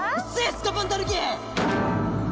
スカポンタヌキ！